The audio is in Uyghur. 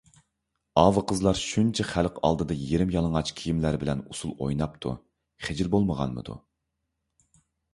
ئاۋۇ قىزلار شۇنچە خەلق ئالدىدا يېرىم يالىڭاچ كىيىملەر بىلەن ئۇسسۇل ئويناپتۇ، خىجىل بولمىغانمىدۇ؟